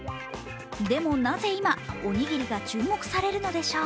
でもなぜ、今、おにぎりが注目されるんでしょう。